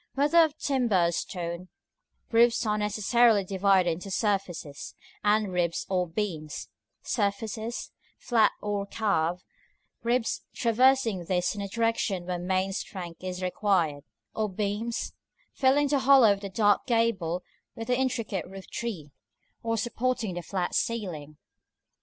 Whether of timber or stone, roofs are necessarily divided into surfaces, and ribs or beams; surfaces, flat or carved; ribs, traversing these in the directions where main strength is required; or beams, filling the hollow of the dark gable with the intricate roof tree, or supporting the flat ceiling.